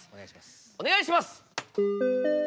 お願いします。